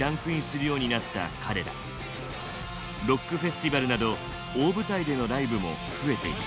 ロックフェスティバルなど大舞台でのライブも増えていった。